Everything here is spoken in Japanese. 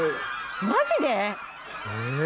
マジで⁉え！